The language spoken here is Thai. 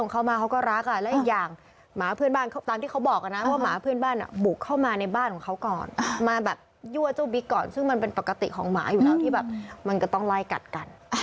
เค้าเรียกของเค้ามาเค้าก็รัก